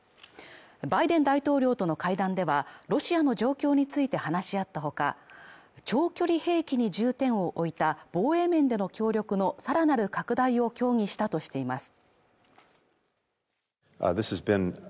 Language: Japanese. バイデン大統領との会談では、ロシアの状況について話し合った他、長距離兵器に重点を置いた防衛面での協力の更なる拡大を協議したとしています。